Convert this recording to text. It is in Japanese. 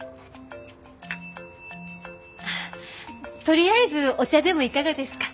とりあえずお茶でもいかがですか？